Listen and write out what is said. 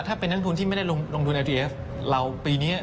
๑ถ้าเป็นลงทุนที่ไม่ได้ลงทุนนะเราปีนี้